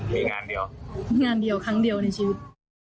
มีงานเดียวครั้งเดียวในชีวิต